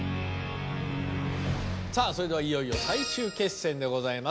さあそれではいよいよ最終決戦でございます。